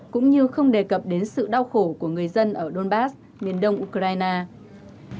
cũng như không đề cập đến sự đau khổ của người dân ở donbass miền đông ukraine